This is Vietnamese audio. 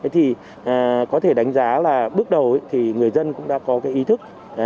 thì có thể đánh giá là bước đầu thì người dân cũng đã có cái ý thức